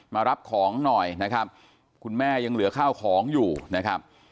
มารับของหน่อยนะครับคุณแม่ยังเหลือข้าวของอยู่นะครับ